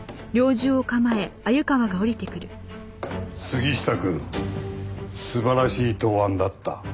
杉下くん素晴らしい答案だった。